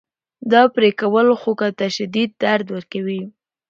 دا پرې کول خوک ته شدید درد ورکوي.